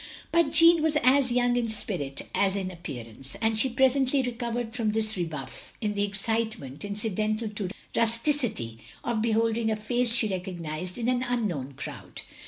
But Jeanne was as young in spirit as in ap pearance; and she presently recovered from this rebuff, in the excitement, incidental to rusticity, of beholding a face she recognised in an unknown crowd.